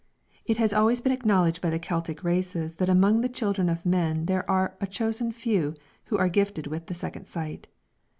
It has always been acknowledged by the Celtic races that among the children of men there are a chosen few who are gifted with the second sight.